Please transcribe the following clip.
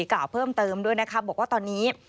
กล่าวเพิ่มเติมด้วยนะคะบอกว่าตอนนี้